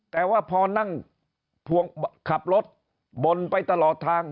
แต่ว่าพอนั่งขับรถบนไปตลอดทาง